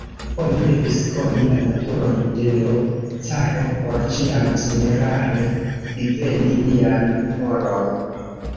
Oni devis koni la naturon de l' caro, por ĉiam senerare diveni lian humoron.